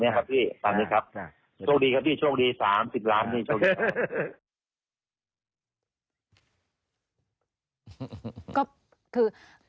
เพราะว่าตอนแรกมีการพูดถึงนิติกรคือฝ่ายกฎหมาย